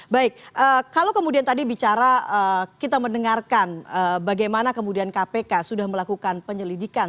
baik kalau kemudian tadi bicara kita mendengarkan bagaimana kemudian kpk sudah melakukan penyelidikan